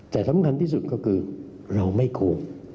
แต่สำคัญที่สุดก็คือเราไม่กลัว